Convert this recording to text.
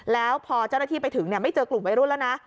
แล้วพอเจ้าหน้าที่ไปถึงไม่เจอกลุ่มวัยรุ่นแล้วนะ